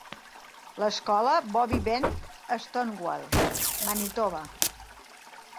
L'escola Bobby Bend a Stonewall, Manitoba.